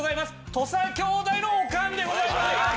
土佐兄弟のおかんでございます！